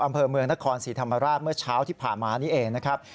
อำเภอเมืองนครศรีธรรมราชเมื่อเช้าที่ผ่านมานี้เองนะครับ